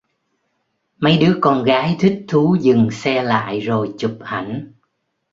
Mấy đứa con gái thích thú dừng xe lại rồi chụp ảnh